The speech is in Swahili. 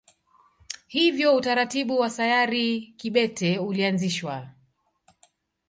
Hivyo utaratibu wa sayari kibete ulianzishwa.